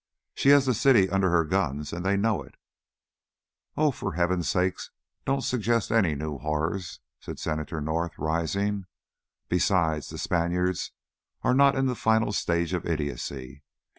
She has the city under her guns, and they know it " "Oh, for heaven's sake, don't suggest any new horrors," said Senator North, rising. "Besides, the Spaniards are not in the final stages of idiocy.